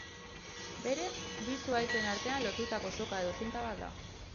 Berez, bi zuhaitzen artean lotutako soka edo zinta bat da.